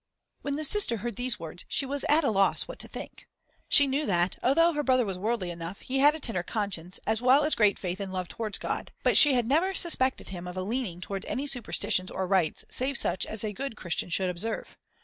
When the sister heard these words she was at a loss what to think. She knew that, although her brother was worldly enough, he had a tender conscience, as well as great faith and love towards God; but she had never suspected him of a leaning towards any superstitions or rites save such as a good Christian should observe.